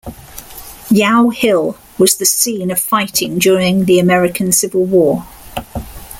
Yow Hill was the scene of fighting during the American Civil War.